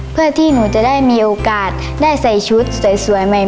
เพื่อที่หนูจะได้มีโอกาสได้ใส่ชุดสวยใหม่